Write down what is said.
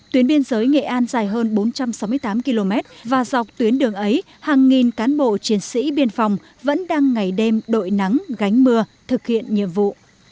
tuyến biên giới nghệ an dài hơn bốn trăm sáu mươi tám km và dọc tuyến đường ấy hàng nghìn cán bộ chiến sĩ biên phòng vẫn đang ngày đêm đội nắng gánh mưa thực hiện nhiệm vụ